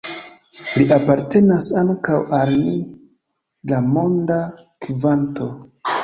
Li apartenas ankaŭ al ni, la monda kvanto.